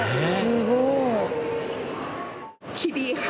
すごい。